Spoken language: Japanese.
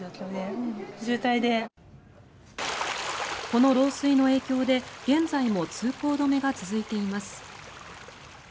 この漏水の影響で現在も通行止めが続いています。